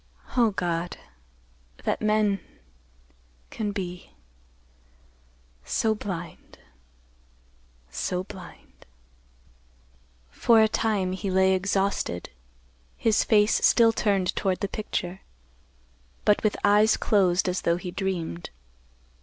Oh, God! That men—can be—so blind—so blind!" For a time he lay exhausted, his face still turned toward the picture, but with eyes closed as though he dreamed.